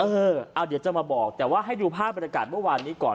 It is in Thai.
เออเอาเดี๋ยวจะมาบอกแต่ว่าให้ดูภาพบรรยากาศเมื่อวานนี้ก่อน